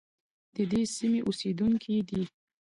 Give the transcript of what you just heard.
د دې سیمې اوسیدونکي دي.